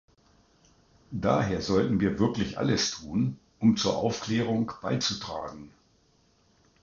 Daher sollten wir wirklich alles tun, um zur Aufklärung beizutragen.